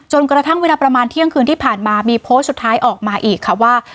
กระทั่งเวลาประมาณเที่ยงคืนที่ผ่านมามีโพสต์สุดท้ายออกมาอีกค่ะว่า